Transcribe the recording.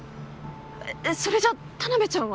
えっそれじゃ田辺ちゃんは？